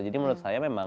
jadi menurut saya memang